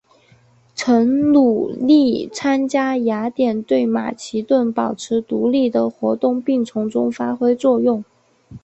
曾努力参加雅典对马其顿保持独立的活动并从中发挥作用。